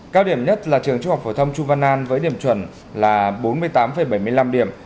cao điểm nhất là trường trung học phổ thông chu văn an với điểm chuẩn là bốn mươi tám bảy mươi năm điểm